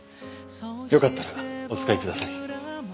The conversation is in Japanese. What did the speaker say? よかったらお使いください。